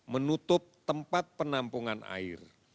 menutup tempat penampungan air